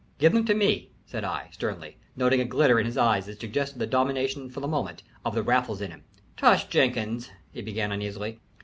"Give them to me," said I, sternly, noting a glitter in his eye that suggested the domination for the moment of the Raffles in him. "Tush, Jenkins," he began, uneasily.